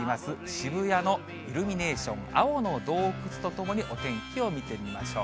渋谷のイルミネーション、青の洞窟とともにお天気を見てみましょう。